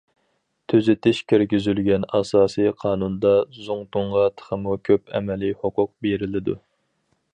تۈزىتىش كىرگۈزۈلگەن ئاساسىي قانۇندا زۇڭتۇڭغا تېخىمۇ كۆپ ئەمەلىي ھوقۇق بېرىلىدۇ.